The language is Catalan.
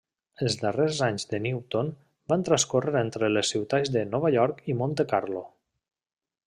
Els darrers anys de Newton van transcórrer entre les ciutats de Nova York i Montecarlo.